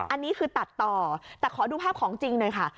อันนี้คือตัดต่อแต่ขอดูภาพของจริงหน่อยค่ะ